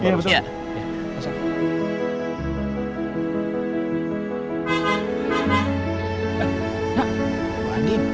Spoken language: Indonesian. nak mau mandi